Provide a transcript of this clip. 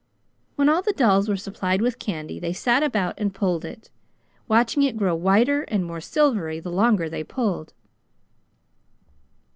When all the dolls were supplied with candy they sat about and pulled it, watching it grow whiter and more silvery the longer they pulled.